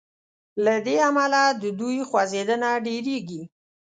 له دې امله د دوی خوځیدنه ډیریږي.